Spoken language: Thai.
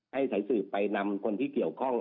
ให้สายสืบไปนำคนที่เกี่ยวข้อง